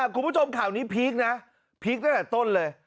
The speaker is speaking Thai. คุณผู้ชมข่าวนี้พีคนะพีคตั้งแต่ต้นเลย